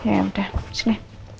ya udah sini